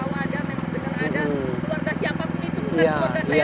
keluarga siapa pun itu bukan keluarga saya yang penting ada